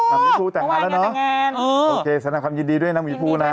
หมีภูก็ต่างงานแล้วเนอะโอเคสำนักความยินดีด้วยนะหมีภูนะ